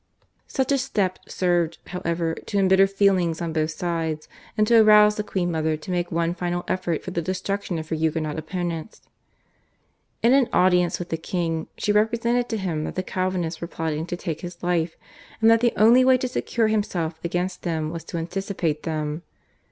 Such a step served, however, to embitter feelings on both sides, and to arouse the queen mother to make one final effort for the destruction of her Huguenot opponents. In an audience with the king she represented to him that the Calvinists were plotting to take his life, and that the only way to secure himself against them was to anticipate them.